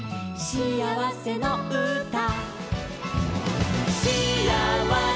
「しあわせのうた」